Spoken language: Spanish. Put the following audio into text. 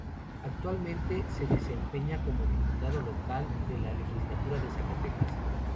Actualmente se desempeña como Diputado local de la Legislatura de Zacatecas.